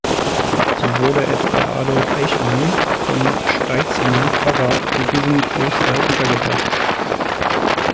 So wurde etwa Adolf Eichmann vom Sterzinger Pfarrer in diesem Kloster untergebracht.